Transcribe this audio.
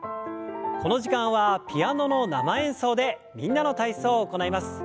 この時間はピアノの生演奏で「みんなの体操」を行います。